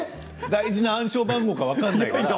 大事な暗証番号が分からない。